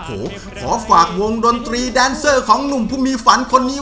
ขอฝากวงดนตรีแดนเซอร์ของหนุ่มผู้มีฝันคนนี้